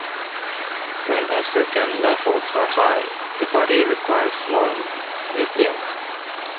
When estrogen levels are high, the body requires more methionine.